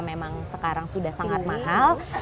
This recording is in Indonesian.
memang sekarang sudah sangat mahal